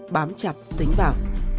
bám chặt tính vào